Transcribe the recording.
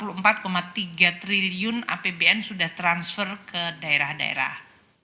rp empat tiga triliun apbn sudah transfer ke daerah daerah